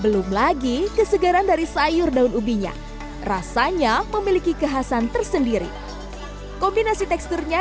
belum lagi kesegaran dari sayur daun ubinya rasanya memiliki kekhasan tersendiri kombinasi teksturnya